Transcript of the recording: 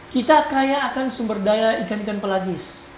kita kaya akan sumber daya ikan ikan pelagis